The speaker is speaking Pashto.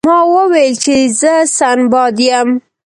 ما وویل چې زه سنباد یم.